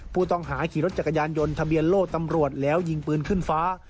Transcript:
ผู้ต้องหาขี่รถจักรยานยนต์ทะเบียนโล่ตำรวจแล้วยิงปืนขึ้นฟ้า